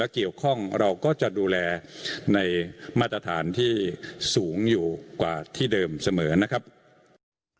เกี่ยวข้องเราก็จะดูแลในมาตรฐานที่สูงอยู่กว่าที่เดิมเสมอนะครับ